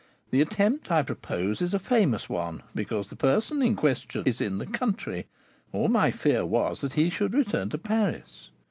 The attempt I propose is a famous one, because the person in question is in the country; all my fear was that he should return to Paris.